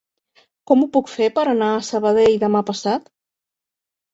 Com ho puc fer per anar a Sabadell demà passat?